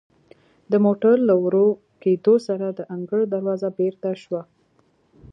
د موټر له ورو کیدو سره د انګړ دروازه بیرته شوه.